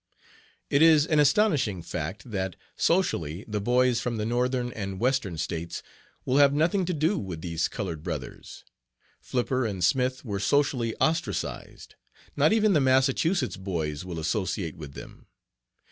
"'It is an astonishing fact that, socially, the boys from the Northern and Western States will have nothing to do with these colored brothers. Flipper and Smith were socially ostracized. Not even the Massachusetts boys will associate with them.